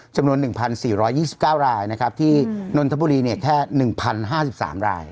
จำนวน๑๔๒๙รายที่นนทบุรีแค่๑๐๕๓ราย